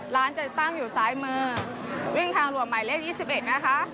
ร้านจะตั้งอยู่ซ้ายมือวิ่งทางหลวงหมายเลข๒๑นะคะ